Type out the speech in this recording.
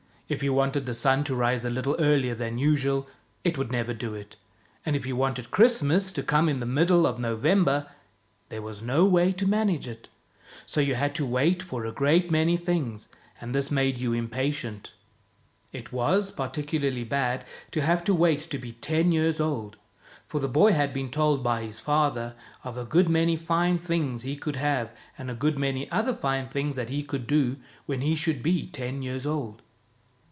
If you 'wanted the sun to rise a little earlier than usual, it would never do it, and if you wanted Christmas to come in the middle of November, there was no way to manage it. So you had to wait for a great many things, and this made you impatient. It was par ticularly bad to have to wait to be ten years old, for 63 THE BOY WHO WENT OUT OF THE WORLD the boy had been told by his father of a good many fine things he could have, and a good many other fine things that he could do, when he should be ten years old.